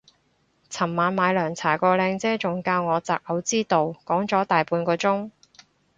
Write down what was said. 尋晚買涼茶個靚姐仲教我擇偶之道講咗大半個鐘